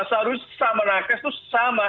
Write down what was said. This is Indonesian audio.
seharusnya sama nakes itu sama